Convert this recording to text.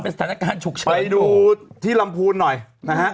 เป็นสถานการณ์ฉุกเฉินตัวนะครับไปดูที่ลำพูนหน่อยนะฮะ